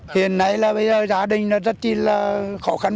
hiện nay là gia đình rất là khó khăn